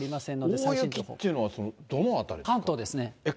大雪っていうのは、関東ですね。